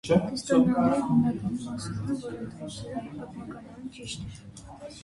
Քրիստոնյաները հիմնականում ասում են, որ այդ գործերը պատմականորեն ճիշտ են։